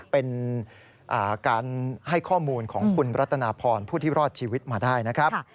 เป็นการให้ข้อมูลของคุณรัตนาพรผู้ที่รอดชีวิตมาได้นะครับ